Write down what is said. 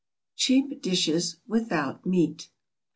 CHEAP DISHES WITHOUT MEAT.